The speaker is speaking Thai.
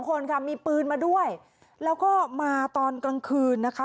คนค่ะมีปืนมาด้วยแล้วก็มาตอนกลางคืนนะคะ